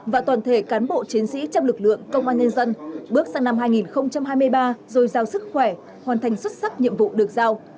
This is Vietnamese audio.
và toàn thể cán bộ chiến sĩ trong lực lượng công an nhân dân bước sang năm hai nghìn hai mươi ba rồi giao sức khỏe hoàn thành xuất sắc nhiệm vụ được giao